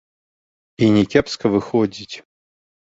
І не кепска выходзіць.